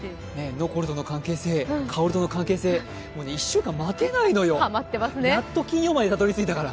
ノコルとの関係性、１週間待てないのよやっと金曜までたどり着いたから。